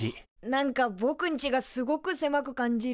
なんかぼくんちがすごくせまく感じる。